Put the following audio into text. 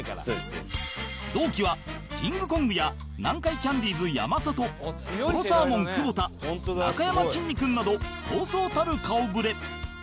同期はキングコングや南海キャンディーズ山里とろサーモン久保田なかやまきんに君などそうそうたる顔ぶれ